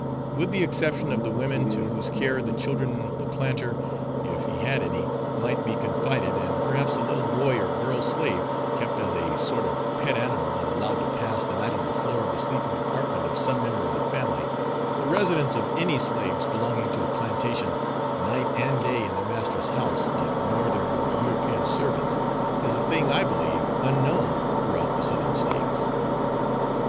With the exception of the women to whose care the children of the planter, if he had any, might be confided, and perhaps a little boy or girl slave, kept as a sort of pet animal and allowed to pass the night on the floor of the sleeping apartment of some member of the family, the residence of any slaves belonging to a plantation night and day in their master's house, like Northern or European servants, is a thing I believe unknown throughout the Southern States.